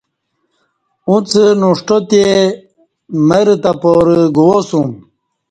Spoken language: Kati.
اݩڅ نݜٹہ تے مرہ تہ پارہ گوا سوم